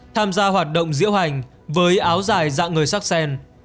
tham gia hoạt động diễu hành với áo dài dạng người sắc sen